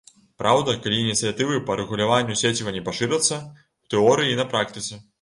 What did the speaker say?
Праўда, калі ініцыятывы па рэгуляванню сеціва не пашырацца ў тэорыі і на практыцы.